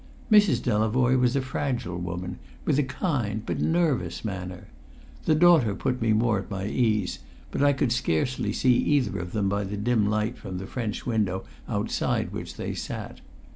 Mrs. Delavoye was a fragile woman with a kind but nervous manner; the daughter put me more at my ease, but I could scarcely see either of them by the dim light from the French window outside which they sat.